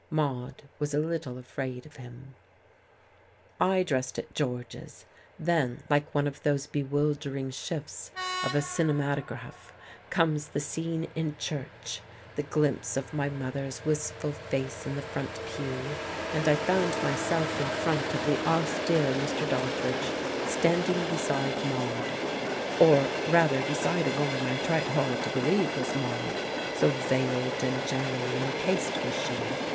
Maude was a little afraid of him.... I dressed at George's; then, like one of those bewildering shifts of a cinematograph, comes the scene in church, the glimpse of my mother's wistful face in the front pew; and I found myself in front of the austere Mr. Doddridge standing beside Maude or rather beside a woman I tried hard to believe was Maude so veiled and generally encased was she.